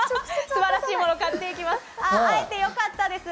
素晴らしいものを買って行きます。